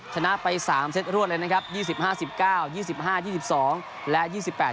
ชนะไป๓เซตรวดเลยนะครับ๒๕๑๙๒๕๒๒และ๒๘